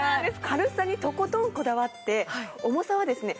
軽さにとことんこだわって重さはですね